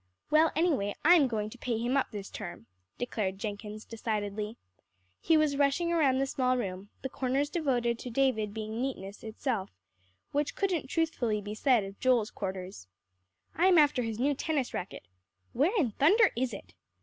"Well, anyway, I'm going to pay him up this term," declared Jenkins decidedly. He was rushing around the small room; the corners devoted to David being neatness itself, which couldn't truthfully be said of Joel's quarters. "I'm after his new tennis racket. Where in thunder is it?"